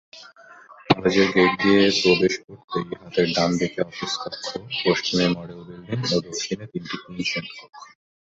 কলেজের গেইট দিয়ে প্রবেশ করতেই হাতের ডানদিকে অফিস কক্ষ, পশ্চিমে মডেল বিল্ডিং ও দক্ষিণে তিনটি টিনশেড কক্ষ।